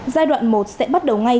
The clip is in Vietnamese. giai đoạn một sẽ bắt đầu ngay